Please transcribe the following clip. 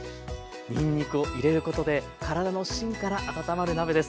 にんにくを入れることでからだの芯から温まる鍋です。